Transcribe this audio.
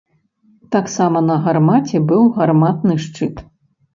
Таксама на гармаце быў гарматны шчыт.